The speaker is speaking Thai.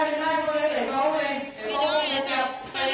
เราจะรับปากได้ไหมว่าสุดนี้เป็นสุดสุดท้ายอ่ะ